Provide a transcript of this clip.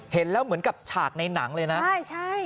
เห็นแล้วเหมือนกับฉากในหนังเลยนะใช่ใช่